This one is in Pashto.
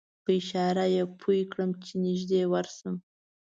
په اشاره یې پوی کړم چې نږدې ورشم.